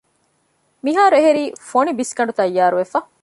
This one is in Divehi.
މިހާރު އެހެރީ ފޮނި ބިސްގަނޑު ތައްޔާރުވެފަ